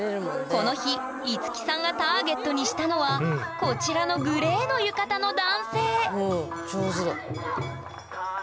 この日樹さんがターゲットにしたのはこちらのグレーの浴衣の男性おお上手だ。